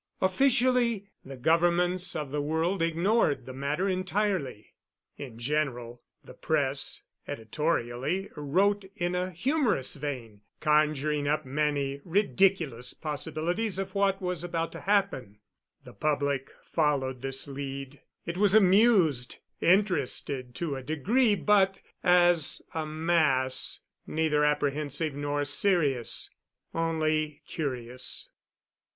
Officially, the governments of the world ignored the matter entirely. In general, the press, editorially, wrote in a humorous vein, conjuring up many ridiculous possibilities of what was about to happen. The public followed this lead. It was amused, interested to a degree; but, as a mass, neither apprehensive nor serious only curious.